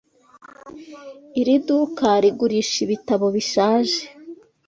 Iri duka rigurisha ibitabo bishaje.